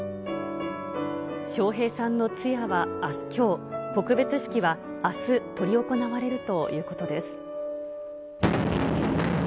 笑瓶さんの通夜はきょう、告別式はあす執り行われるということです。